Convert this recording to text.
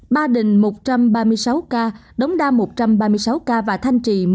ba đình một trăm ba mươi sáu ca đống đa một trăm ba mươi sáu ca